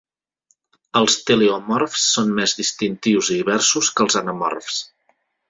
Els teleomorfs són més distintius i diversos que els anamorfs.